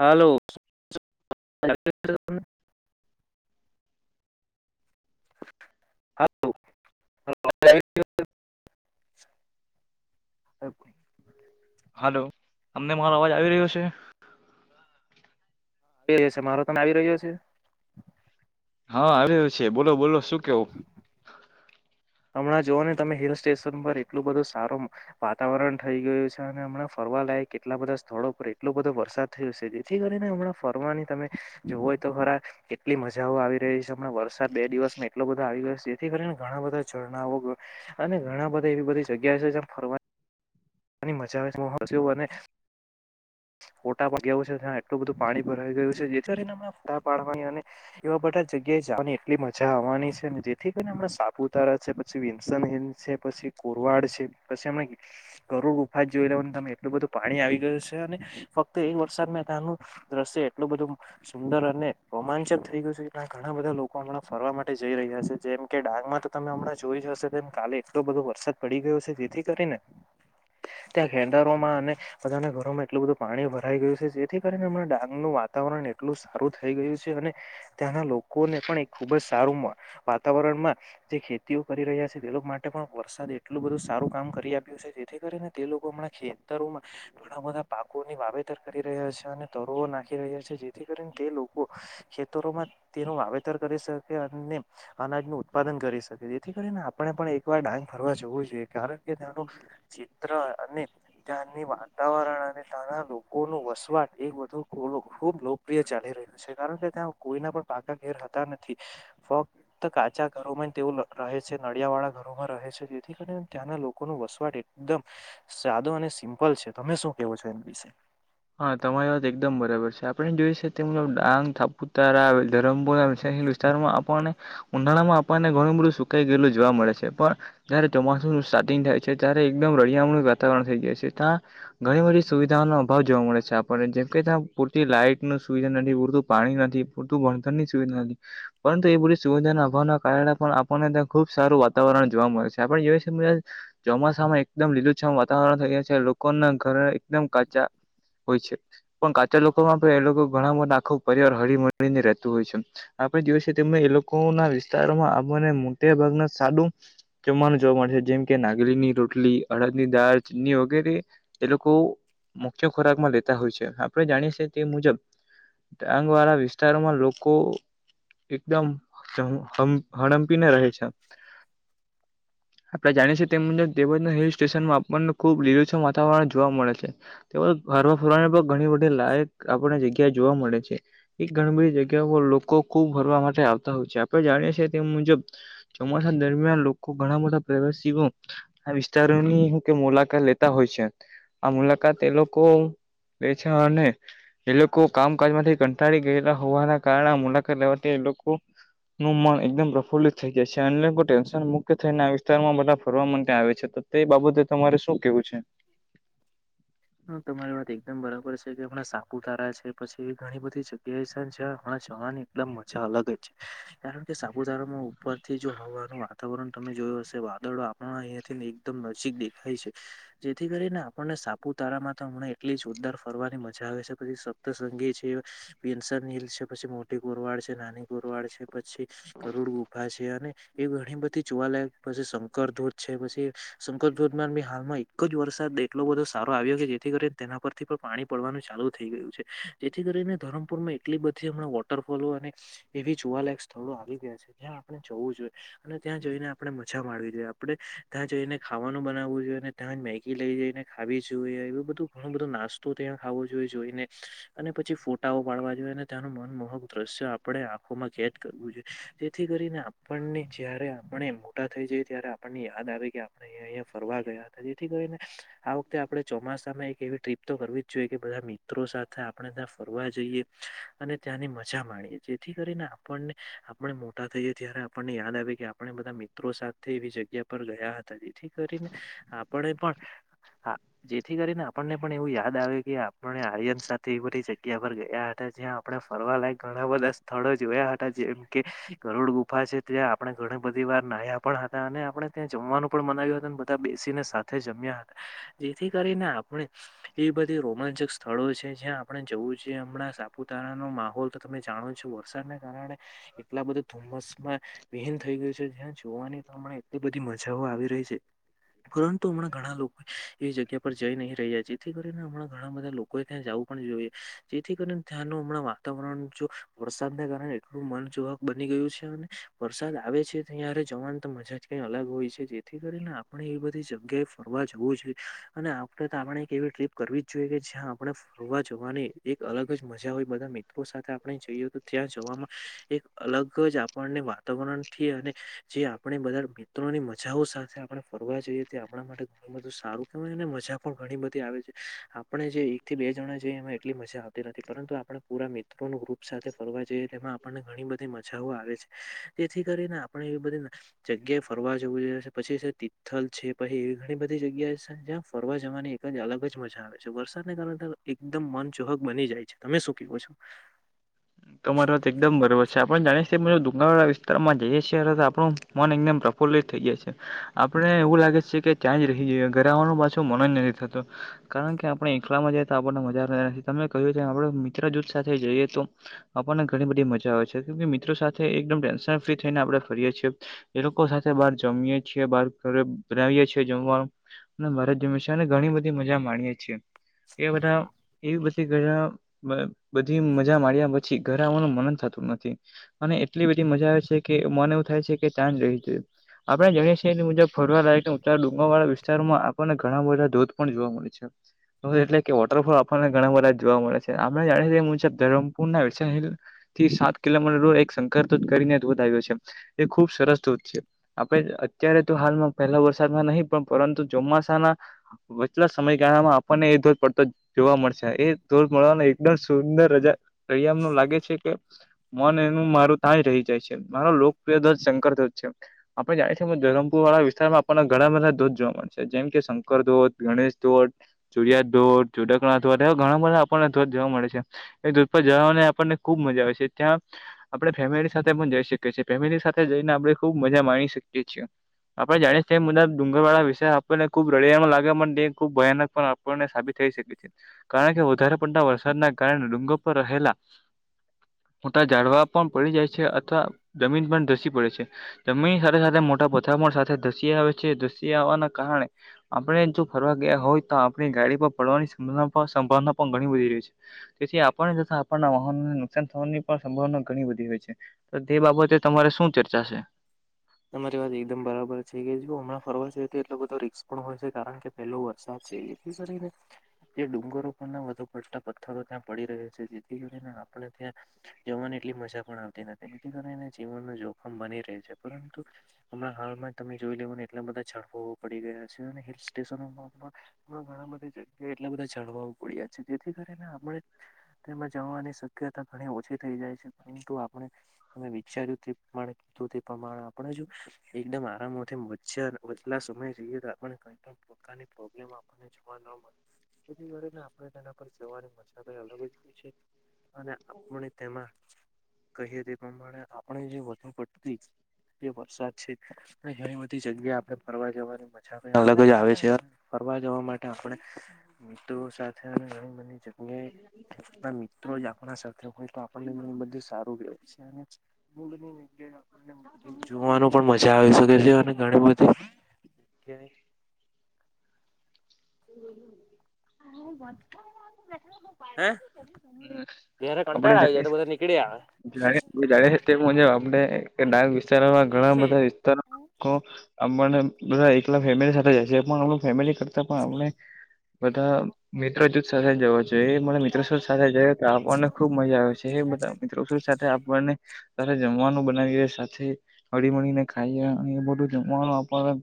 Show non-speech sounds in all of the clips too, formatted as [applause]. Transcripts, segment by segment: હાલો [unintelligible] હકે [unintelligible] hello તમને મારો અવાજ આવી રહ્યો છે. એ છે મારો તને આવી રહ્યો છે. હા આવી રહ્યો છે, બોલો બોલો શું કેવું [inaudible] હમણાં જોુઓ ને તમે હિલ સ્ટેશન પર એટલું બધું સારું વાતાવરણ થઈ ગયું છે અને હમણા ફરવા લાયક કેટલા બધા સ્થળો પર એટલો બધો વરસાદ થયું છે જેથી કરીને હમણાં ફરવાની તમે જો હોય તો ખરા એટલી મજાઓ આવી રહી છે હમણા વરસાદ બે દિવસમાં એટલો બધો આવી ગ્યો છે, જેથી કરીને ઘણા બધા ઝરણા વગર અને ઘણા બધા એવી બધી જગ્યા છે, જે ફરવા અને મજા આવે જેવું અને ફટા પગ્યા છે ત્યાં એટલું બધું પાણી ભરાઈ ગયું છે જેને ફટા પાડવા એવા બધા જગ્યાએ જવાની એટલી મજા આવવાની છે ને જેથી કરીને હમણા સાપુતારા છે. પછી વિન્સન હિલ છે પછી કુરવાડ છે પછી એમને ક ગરુડ ગફા જોઈ લેવાને તમે એટલું બધું પાણી આવી ગયું છે, અને ફક્ત એ વરસાદ મે તનું દ્રશ્ય એટલું બધું સુંદર અને રોમાંચક થઈ ગયું છે એટ ઘણા બધા લોકો હમણાં ફરવા માટે જઈ રહ્યા છે જેમ કે ડાંગમાં તો તમે હમણાં જોઈ જશે કાલે એટલો બધો વરસાદ પડી ગયો છે જેથી કરીને ત્યાં ખેંડારવામાં અને બધાના ઘરોમાં એટલું બધું પાણી ભરાઈ ગયું છે જેથી કરીને હમણાં ડાંગનું વાતાવરણ એટલું સારું થઈ ગયું છે, અને ત્યાંના લોકોને પણ એક ખુબ જ સારું વાતાવરણમાં જે ખેતીઓ કરી રહ્યા છે તે લોકો માટે પણ વરસાદ એટલું બધું સારું કામ કરી આપ્યું છે. જેથી કરીને તે લોકો હમણાં ખેતરોમાં ઘણા બધા પાકોની વાવેતર કરી રહ્યા છે અને તરો નાખી રહ્યા છે, જેથી કરીને તે લોકો ખેતરોમાં તેનું વાવેતર કરી શકે અને અનાજનું ઉત્પાદન કરી શકે જેથી કરીને આપણે પણ એકવાર ડાંગ ફરવા જોવું જોઈએ કારણ કે તેનુ ચિત્ર અને. ત્યાંની વાતાવરણ અને ત્યાંના લોકો નું વસવાટ એ બધુ ખુબ લોકપ્રિય ચાલી રહ્યું. કારણ કે ત્યાં કોઈના પણ પાકા ઘેર હતા નથી ફ. તો કાચા ઘરોમાં તેવું રહે. નડિયા વાળા ઘરોમાં રહે છે, જેથી કરીને ત્યાંના લોકો ન વસવાટ. એકદમ સાદો અને સિમ્પલ છે તમે શું કેવો છો એના વિશે. હા તમારી વાત એકદમ બરાબર છે આપડણે જોઈ છેલબ ડાંગ થાપુતારા આવે ધરમો વિારમાં આપણને ઉનાળામાં આપણને ઘણું બધું સુકાઈ ગયેલું જોવા મળે છે પણ જયારે ચોમાસુ ન સ્ટાર્ટિંગ થાય છે ત્યારે એકદમ રળિયામણું વાતાવરણ થઈ જાય છે ત્યાં ઘણી બધી સુવિધાઓ ન અ ભાવ જોવા મળે છે આપણને જેમ કે ત્યાં પૂરતી લાઈટ ન સુવિધા નથી પૂરતું પાણી નથી. [unintelligible] પરંતુ એ બધી સુવિધાના અભાવના કારણે પણ આપણને ત્યાં ખુબ સારું વાતાવરણ જોવા મળે છે આપણે જો છે ચોમાસામાં એકદમ લીલુંછમ વાતાવરણ થઈ ગયા છે લોકોના ઘર એકદમ કાચા હોય છે પણ કાચા લોકોમાં પણ એ લોકો ઘણા બધા આખું પરિવાર હળી મળળીને રહેતું હોય છે. આપણા દિવસે તેમને એ લોકો ના વિસ્તારોમાં આને મોટા ભાગના સાદું જમવાનું જોવા મળેશે જેમ કે નાગલીની રોટલી અડદની દાળ ચીની વગેરે. તેલોકો મુખ્ય ખોરાકમાં લેતા હોય છે આપણે જાણીએ છએ તે મુજબ ડાંગ વાળા વિસ્તારમાં લોકો એકદમ હડમ્પી ને રહે છે. [inaudible] આપણેે જાણીએીએ તેમ મુજબ દેવજના હિલ સ્ટેશનમાં આપણને ખુબ લીલુંછમ વાતાવરણ જોવા મળે છે. તેઓ હરવા ફોરને પણ ઘણી બધી લાયક આપણને જગ્યા જોવા મળે છે. એ ઘણી બધી જગ્યા પર લોકો ખૂબ ભરવા માટે આવતા હોય છે આપણે જાણીએ છીએ તે મુજબ ચોમાસા દરમિયાન લોકો ઘણા બધા પ્રવાસીઓ આ વિસ્તારોની હું કે મુલાકાત લેતા હોય છે આ મુલાકાત તે લોકો વેચા અને એ લોકો કામકાજ માંથી કંટાળી ગયેલા હોવાના કારણે મુલાકાત લેવાથી એ લોકો નું મન એકદમ પ્રફુલ્લિત થઈ જાય છે અને લોકો ટેન્શન મુક્ત થઈને આ વિસ્તારમાં બધા ફરવા માટે આવે છે તો તે બાબતે તમારે શું કેવું છે? હ તમારી વાત એકદમ બરાબર છે કે હણા સાપુતારા છે પછી એવી ઘણી બધી જગ્યાએ છે જ્યાં હમણાં જવાની એકદમ મજા અલગ જ છે કારણ કે સાપુતારામાં ઉપરથી જો હવાનું વાતાવરણ તમે જોયું હશે વાદળો અહીંયાથી એકદમ નજીક દેખાય છે જેથી કરીને આપણને સાપ પુતારામાં તો હમણાને એટલી જ જોરદાર ફરવાની મજા આવે છે પછી સપ્તસંગી છે. પીનસ હિલ છે પછી મોટી ગોરવાડ છે નાની ગોરવાડ છે. પછી કરોડ ઉઊભા છે અને એ ઘણી બધી જોવાલાયક પછી શંકર ધૂધ છે પછી શંકર ધોધમાં હાલમાં એક જ વરસાદ એટલો બધો સારો આવ્યો કે જેથી કરીને તેના પરથી પણ પાણી પડવાનું ચાલુ થઈ ગયું છે જેથી કરીને ધરમપુરમાં એટલી બધી હમણાં વોટરફોલો અને એવી જોવાલાયક સ્થળો આવી ગયા છે જ્યાં આપણે જવું જોઈએ. અને ત્યાં જઈને આપણે મજા માણવી જોઈએ આપણે ત્યાં જઈને ખાવાનું બનાવું જોઈએ અને ત્યાં જ મેગી લઈ જઈને ખી જોઈએ એવું બધું ઘણો બધો નાસ્તો ત્યાં ખાવો જોઈએ જોઈને અને પછી ફોટાઓ પાડવા જોઈએ અને ત્યાંનું મનમોહક દ્રશ્ય આપણે આંખોમાં કેેદ કરવું જોઈએ. જેથી કરીને આપણને જયારે આપણે મોટા થઈ જાય ત્યારે આપણને યાદ આવે કે આપણે અ અહીંયા ફરવા ગયા હતા જેથી કરીને આવ આપણે ચોમાસામાં એક એવી ટ્રીપ તો કરવી જ જોઈએ કે બધા મિત્રો સાથે આપણે ત્યાં ફરવા જઈએ. અને ત્યાંની મજા માણીએ જેથી કરીને આપણને આપણે મોટા થઈએ ત્યારે આપણને યાદ આવે કે આપણે બધા મિત્રો સાથે એવી જગ્યા પર ગયા હતા જેથી કરીને આપણે પણ હા જેથી કરીને આપણને પણ એવું યાદ આવ કે આપને આર્યન સાથે એ બધી જગ્યા પર ગયા હતા જ્યાં આપણે ફરવાલાયક ઘણા બધા સ્થળો જોયા હતા જેમ કે ગરુડ ગુફા છે, ત્યાં આપણે ઘણી બધી વાર નાહયા પણ હતા અને આપણે ત્યાં જમવાનું પણ મનાવ્યું હતું અને બધા બેસીને સાથે જમ્યા હતા. જેથી કરીને આપણે એવી બધી રોમાંચક સ્થળો છે જ્યાં આપણે જવું જોઈએ હમણાં સાપુતારાનો માહોલ તો તમે જાણો છો વરસાદને કારણે એટલા બધા ધુમ્મસ માં વિહીન થઈ ગયું છે જ્યા જોવાની કારણે એટલી બધી મજા. જવા આવી રહી છે પરંતુ હમણાં ઘણા લોકો. એ જગ્યા પર જઈ નહીં રહ્યા જેથી કરીને હમણાં ઘણા બધા લોકોએ ત્યાં જવું પણ જોઈએ જેથી કરીને ત્યાંનું હમણાં વાતાવરણ જો વરસાદને કારણે એટલું મનચાહક બની ગયું છે અને વરસાદ આવે છે. અયરે જવાની તો મજા જ કઈ અલગ હોય છે જેથી કરીને આપણે એ બધી જગ્યાએ ફરવા જવું જોઈએ. અને આપણે તો આપણે એક એવી ટ્રીપ કરવી જ જોઈએ કે જ્યાં આપણે જોવા જોવાની એક અલગ જ મજા હોય બધા મિત્રો સાથે આપણે જઈએ, તો ત્યાં જોવામાં એક. અલગ જ આપણને વાતાવરણથી અને જે આપણે બધા મિત્રોની મજાઓ સાથે આપણે ફરવા જઈએ તે આપણા માટે ઘરમાં તો સારું એને મજા પણ ઘણી બધી આવે છે. આપણે જે એક થી બે જણા જઈએ એમાં એટલી મજા આવતી નથી પરંતુ આપણે પૂરા મિત્રો ન ગ્રુપ સાથે ફરવા જઈએ એમાં આપણને ઘણી બધી મજાઓ આવે છે. તેથી કરીને આપણે એવી બધી જગ્યાએ ફરવા જવું જોઈએ પછી તિથલ છે પછી એવી ઘણી બધી જગ્યા છે. જ્યાં ફરવા જવાની એક જ અલગ જ મજા આવે છે વરસાદને કારણે એકદમ મન ચોહક બની જાય છે. તમે શું કેવો છો? તમારી વાત એકદમ બરોબર છે, આપને જાણીશ ડુંગવાળા વિસ્તારમાં શહેર હતા આપણું. મન એકદમ પ્રફુલ્લિત થઈ જાય છે આપડે એવું લાગે છે કે ત્યાં જ રહી જઈએ ઘરે આવવાનું પાછું મન નથી તો કારણ કે આપણે એકલામાં જઈએ તો આપણને મજા તમે કહ્યું છે, આપડ મિત્ર જૂથ સાથે જઈએ તો આપણને ઘણી બધી મજા આવે છે મિત્રો સાથે એકદમ ટેન્શન ફ્રી થઈને આપડે ફરીએ છીએ. એ લોકો સાથે બહાર જમીએ છીએ બાર ઘ બનાવીએ છીએ જમવાનું. અને મારેજ હમેશાને ઘણી બધી મજા માણીએે છીએ. એ બધા એવી બધી ઘ બધી મજા માડ પછી ઘરે આવવાનું મન જ થતું નથી. અને એટલી બધી મજા આવે છે, કે મન એવું થાય છે કે ત્યાં જ રહી જો આપણે જાણીએ છીએ એ મુજબ ફરવા લાય ઉત ડુંગરવાળા વિસ્તારમાં આપણને ઘણા બધા ધોધ પણ જોવા મળે છે. એટલે કે વોટરફોલ આપણને ઘણા બધા જોવા મળે છે, આપણે જાણીએ મુજબ ધરમ પુ થી સાત કિલોમીટર દ એક સંક કરીને ધોધ આવ્યો છે. એ ખુબ સરસ ધોધ છે. આપે અત્યારે તો હાલમાં પહેલા વરસાદમાં નહી પણ પરંતુ ચોમાસાના વચલા સમયગાળામાં આપણને એ ધોધ પડતો જોવા મળશે. એ ધોધ મળવાની એકદમ સુંદર રજા રળિયામણું લાગે છે, કે મન એનું મારું. રહી જાય છે મારો લોકપ્રિય ધોધ શંકરધોધ છે. આપણે જાણીએ છીએ ધરમપુર વાળા વિસ્તારમાં આપણને ઘણા બધા ધોધ જોવા મળે છે જેમ કે શંકર ધોધ, ગણેશ ધોત ચુરિયા ધોધ, ચુડકના ધોધ એવા ઘણા બધા આપણને ધો જોવા મળે છે. જવાની આપણને ખુબ મજા આવે છે, ત્યાં આપણે ફેમિલી સાથે પણ જઈ શકીએ છીએ ફેમિલી સાથે જઈને આપણે ખુબ મજા માણી શકીએ છીએ. આપણેે જાણીએ એ મુજબ ડુંગર વાળા વિષય આપને ખૂબ રળિયામણા લાગે પણ તે ખુબ ભયાનક પણ આપ સાબિત થઈ શકે છે કારણ કે વધારે પડતા વરસાદના કારણે ડુંગર રહેલા મોટા ઝાડવા પણ પડી જાય છે. અથવા જમીન પણ ધસી પડે છે. જમીન સાથે સાથે મોટા પથરા પણ સાથે ધસી આવે છે ધસી આવવાના કારણે આપણે જો ફરવા ગયા હોય તો આપણી ગાડી પર પડવાની સંભાવના પણ ઘણી બધી રહી છે. તેથી આપણને તથા આપણના વાહનોને નુકસાન થવાની પણ સંભાવના ઘણી બધી હોય છે. તો તે બાબતે તમારે શું ચર્ચા છે. તમારી વાત એકદમ બરાબર છે કે હમણાં ફરવા જ તો એટલો બધો રી્સ પણ હોય છે, કારણ કે પેલો વરસાદ છે, કરીને તે ડુંગરો પણ ના વધુ પડતા પથ્થરો ત્યાં પડી રહ્યા છે, જેથી કરીને આપણે ત્યાં જવાની એટલી મજા પણ આવતી નથી જેથી કરી એના જીવનનું જોખમ બની રહે છે, પરંતુ હમણા હાલમાં જ તમે જોઈ લેવ ને એટલા બધા જઝડફાવ પડી ગયા છે, અને હિલ સ્ટેશનોમાં ઘણા બધી જગ્યાએ એટલા બધા જણવા પડ્યા છે જેથી કરીને આપણે તેમાં જવાની શક્યતા ઘણી ઓછી થઈ જાય છે, પરંતુ આપણે તમે વિચાર્યું તે પ્રમાણે કીધું પ્રમાણે આપણે જો એકદમ આરામથી વલા સમય જઈએ તો આપ ક પ્રકારની પ્રોબ્લેમ આપણને જોવા ન મળે જેથી કરીને આપણે તેના પર સેવાની મજાકઈ અલગ જ હોય છે. અને આપણે તેમાં કહીએ તે પ્રમાણે આપણે જે વધુ પડતી વરસાદ છે, અને ઘણી બધી જગ્યા આપણે ફરવા જવાની મજા અલગ જ આવે છે, ફરવા જવા માટે આપણે મિત્રો સાથે ઘણી બી અનેના મિત્રો જ આપણા સાથે હોય તો આપણને મને બધું સારું વ્યવાય મુડ ન જોવાનું પણ મજા આવી શકે છે, ઘણી બધી હ [unintelligible] [inaudible] હે ત્યારે આપણે કંટાળ આવી જાય જાણી તો બધા નીકળી આવે જાણી જાણીએ તે મુજબ આપણે કે ડાંગ વિસ્તારોમાં ઘણા બધા વિસ્તારો અમને બધા એકલા ફેમિલી સાથે જશે પણ અમ ફેમિલી કરતા પણણે બધા મિત્ર જૂથ સાથે જવો જોઈએ એ મને મિત્રો સાથે જ તો આપવાને ખુબ મજા આવે છે. બધા મિત્રો સાથે આપણને જમવાનું બનાવી સાથે હળી મળળીને ખાઈ એ બધું જમવાનું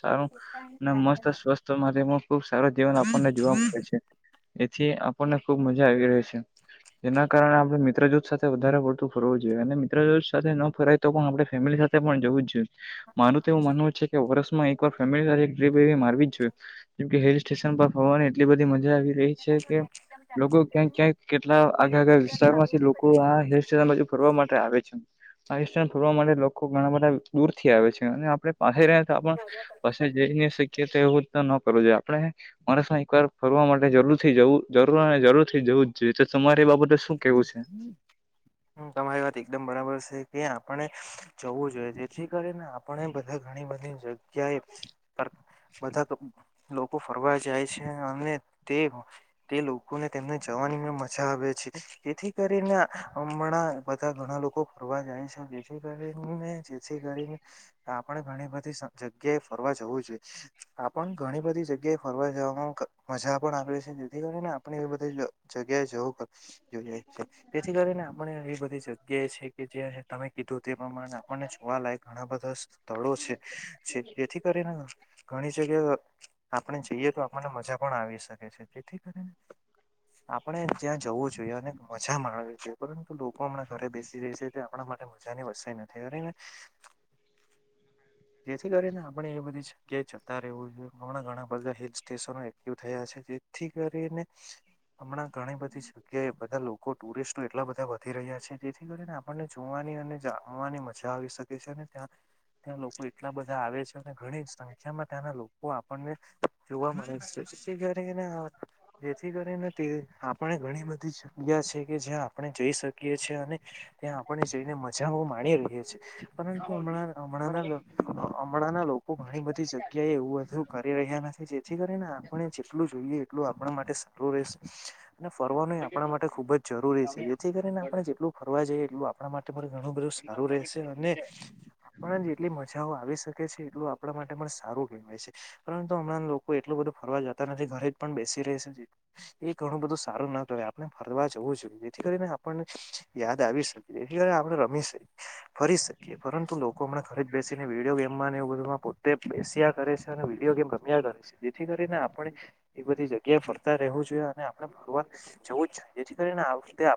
સારું અને મસ્ત સ્સ્થ મારીમ ખુબ સારો જીવન આપણને જોવા મળે છે, એથી આપણને ખુબ મજા આવી રહી છે. હ [unintelligible] જેના કારણે આપણે મિત્રજૂત સાથે વધારે પડતું ફરવું જોઈએ અને મિત્રજૂત સાથે ન ફરાય તો પણ આપણે ફેમિલી સાથે વું જ જોઈએ મારું તો એવું માનવું છે, કે વર્ષમાં એક વાર ફેમિ સાથે ટપ એવી મારવી જ જોઈએ જેમ કે હિલ સ્ટેશન પર ફવાની એટલી બધી મજા આવી એ છે કે લોકો ક્યાંક ક્યાંક કેટલા આગે આગ વિસ્તારમાંથી લોકો આ હલ સ ફોરવા માટે આવે છે આ ફોરવા માટે લોકો ઘણા બધા દૂર થી આવે છે, અને આપણે પાછી ર તો આપ પછી જઈ ન શકીએ તો એવું ન કરવું જોઈએ આપણે મારે એક વાર ફરવા માટે જરૂર થી જવું જરૂર જરૂર થી જવું જ જોઈએ તો તમારે બાબતે શું કેવું છે. તમારી વાત એકદમ બરાબર છે, કે આપણે જવું જોઈએ જેથી કરીને પણ એ બધા ઘણી બધી જગ્યાએ બધા લોકો ફરવા જાય છે, અને તે તે લોકોને તેમને જવાની મે મજા આવે છે. જેથી કરીને હમણાં બધા ઘણા લોકો ફરવા જાય છે, જેથી કરીને જેથી કરીને આપણે ઘણી બધી જગ્યાએ ફરવા જવું જોઈએ આપણ ઘણી બધી જગ્યાએ ફરવા જવામાં મજા પણ આવે છે, જેથી કરીને આપણે એ બધી જગ્યાએ જવું જોઈએ તેથી કરીને આપણે એવી બધી જગ્યાએ છે, કે જ્યાં તમે કીધું તે પ્રમાણે આપણને જોવા યક ઘણા બધા સ્થળો છે, જેથી કરીને ઘણી જગ્યા આપણે જઈએ તો આપણને મજા પણ આવી શકે છે, જાને જેથી કરી ને આપડે ત્યાં જવું જોઈએ અને મજા માણવી જોઈએ પરંતુ લોકો હમણાં ઘરે બેસી જ છે, તે આપણા માટે મજાની વ્ય નથી અ જેથી કરીને આપણે એ બધી જગ્યાએ જતા રહેવું જોઈએ હમણાં ઘણા બધા હિલ સ્ટેશનો એક્ટિવ થયા છે. થી કરીને હમણાં ઘણી બધી જગ્યાએ બધા લોકો ટુરિસ્ટો એટલા બધા વધી રહ્યા છે જેથી કરીને આપણને જોવાની અને જાવાની મજા આવી શકે ત્યા ત્યાં લોકો એટલા બધા આવે છે, અને ઘણી સંખ્યામાં ત્યાંના લોકો આપણને જોવા મળે છે, જેથી કરીને જેથી કરીને તે આપણે ઘણી બધી જગ્યા છે કે જ્યાં આપણે જઈ શકીએ છી અને ત્યાં આપણે જઈને મજા ઓ માણી લઈએ છે પરંતુ હમણાં હમણાં હમણાં ના લોકો ઘણી બધી જગ્યાએ એવું બધું કરી રહ્યા નથી જેથી કરીને આપણે જેટલું જોઈએ એટલું આપણા માટે સારું રહેશે અને ફરવાનું એ આપણા માટે ખૂબ જ જરૂરી છે જેથી કરીને આપણે જેટલું ફરવા જઈએ એટલું આપણા માટે પણ ઘણું બધું સારું રહેશે અને આપણને જેટલી મજાઓ આવી શકે છે એટલું આપણા માટે પણ સારું કહેવાય છે. પરંતુ હમણાં લોકો એટલું બધું ફરવા જતા નથી ઘરે જ પણ બેસી રહે છે. એ ઘણું બધું સારું ના ફરવા જવું જોઈએ જેથી કરીને આપણને યાદ આવી શકી જેથી કરીને આપણે રમી શકીએ. ફરી શકીએ પરંતુ લોકો હમણા ખરી જ બેસીને વિડીયો ગેમમાં એ તે બેસ્યા કરે છે અને વિડીયો ગેમ ગમ્યા કરે છે જેથી કરીને આપણે એ બધી જગ્યાએ ફરતા રહેવું જોઈએ અને આપણે ફરવા જવું જઈએ જેથી કરીને આ વખતે